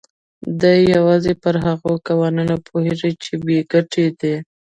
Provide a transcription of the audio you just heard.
دی يوازې پر هغو قوانينو پوهېږي چې بې ګټې دي.